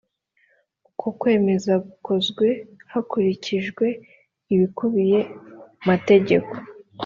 uko kwemeza gukozwe hakurikijwe ibikubiye mategeko